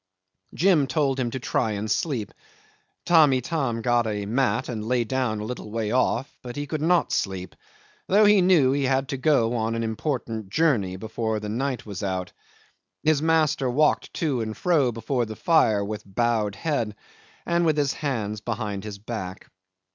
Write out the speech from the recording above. Jim told him to try and sleep. Tamb' Itam got a mat and lay down a little way off; but he could not sleep, though he knew he had to go on an important journey before the night was out. His master walked to and fro before the fire with bowed head and with his hands behind his back.